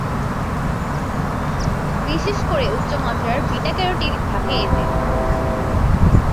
বিশেষ করে উচ্চমাত্রার বিটা ক্যারোটিন থাকে এতে।